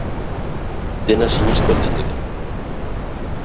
Dena sinestu al daiteke?